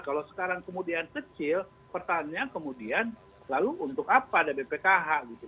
kalau sekarang kemudian kecil pertanyaan kemudian lalu untuk apa ada bpkh gitu